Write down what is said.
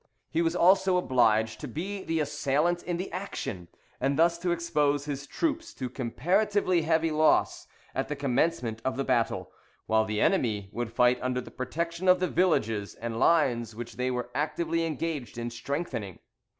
He was also obliged to be the assailant in the action, and thus to expose his troops to comparatively heavy loss at the commencement of the battle, while the enemy would fight under the protection of the villages and lines which they were actively engaged in strengthening.